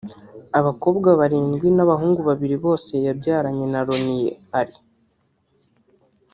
abakobwa barindwi n’abahungu babiri bose yabyaranye na Lonnie Ali